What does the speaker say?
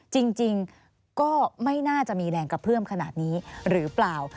จริงก็ไม่น่าจะมีแรงกระเพื่อมขนาดนี้หรือเปล่า